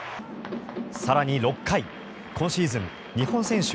更に、６回今シーズン日本選手